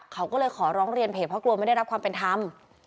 เขาก็เลยขอร้องเรียนเพจเพราะกลัวไม่ได้รับความเป็นธรรม